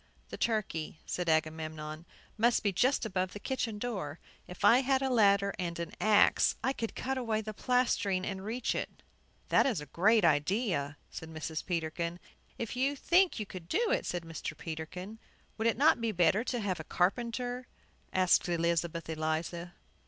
"The turkey," said Agamemnon, "must be just above the kitchen door. If I had a ladder and an axe, I could cut away the plastering and reach it." "That is a great idea," said Mrs. Peterkin. "If you think you could do it," said Mr. Peterkin. "Would it not be better to have a carpenter?" asked Elizabeth Eliza.